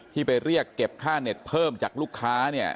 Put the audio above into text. ที่ไปเรียกเก็บค่าเน็ตเพิ่มจากลูกค้าเนี่ย